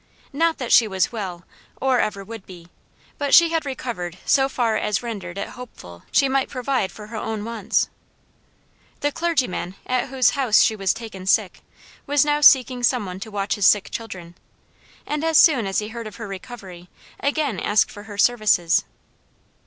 Not that she was well, or ever would be; but she had recovered so far as rendered it hopeful she might provide for her own wants. The clergyman at whose house she was taken sick, was now seeking some one to watch his sick children, and as soon as he heard of her recovery, again asked for her services.